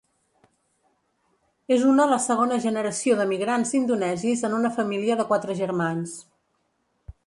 És una la segona generació d'emigrants indonesis en una família de quatre germans.